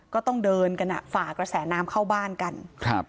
ก็ต้องเดินกันอ่ะฝ่ากระแสน้ำเข้าบ้านกันครับ